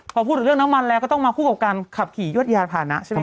พอพูดถึงเรื่องน้ำมันแล้วก็ต้องมาคู่กับการขับขี่ยวดยานผ่านนะใช่ไหม